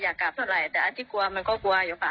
อยากกลับเท่าไหร่แต่อันที่กลัวมันก็กลัวอยู่ค่ะ